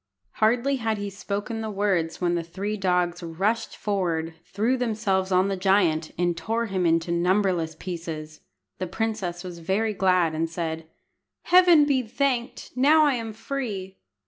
Hardly had he spoken the words when the three dogs rushed forward, threw themselves on the giant, and tore him into numberless pieces. The princess was very glad, and said "Heaven be thanked! Now I am free."